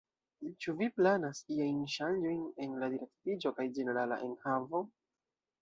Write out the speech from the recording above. Ĉu vi planas iajn ŝanĝojn en la direktiĝo kaj ĝenerala enhavo?